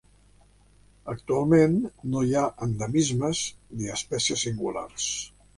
Actualment no hi ha endemismes ni espècies singulars.